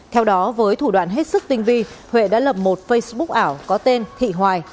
theo đó với thủ đoạn hết sức tinh vi huệ đã lập một facebook ảo có tên thị hoài